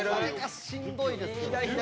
しんどいですね。